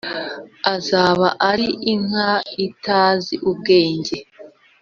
azaba ari inka atazi ubwenge